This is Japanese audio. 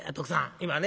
今ね